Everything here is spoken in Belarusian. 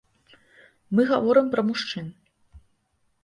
Мы гаворым пра мужчын.